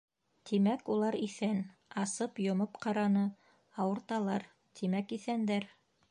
Тимәк, улар иҫән, асып-йомоп ҡараны, ауырталар, тимәк, иҫәндәр.